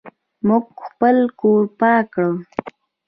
موږ خپل کور پاک کړ.